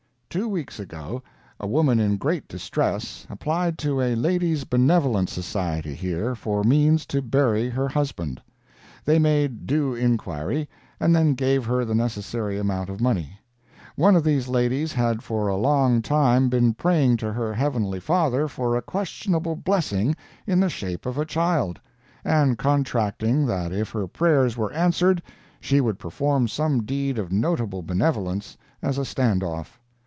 Two weeks ago, a woman in great distress, applied to a Ladies' Benevolent Society here for means to bury her husband. They made due inquiry, and then gave her the necessary amount of money. One of these ladies had for a long time been praying to her Heavenly Father for a questionable blessing in the shape of a child, and contracting that if her prayers were answered she would perform some deed of notable benevolence as a stand off.